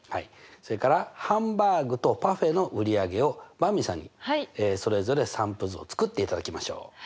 それからハンバーグとパフェの売り上げをばんびさんにそれぞれ散布図を作っていただきましょう。